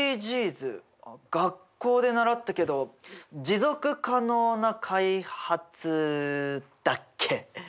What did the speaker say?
学校で習ったけど持続可能な開発だっけ？